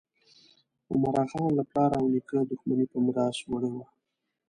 عمراخان له پلار او نیکه دښمني په میراث وړې وه.